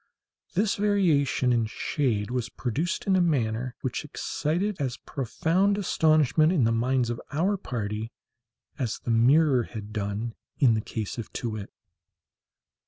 This variation in shade was produced in a manner which excited as profound astonishment in the minds of our party as the mirror had done in the case of Too wit.